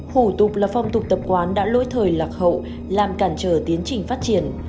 hủ tục là phong tục tập quán đã lỗi thời lạc hậu làm cản trở tiến trình phát triển